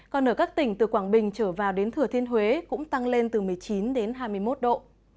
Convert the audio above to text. còn ở các tỉnh từ quảng bình trở vào đến thừa thiên huế cũng tăng lên từ một mươi chín đến hai mươi một độ